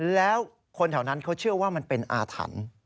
แล้วคนแถวนั้นเขาเชื่อว่ามันเป็นอาถรรพ์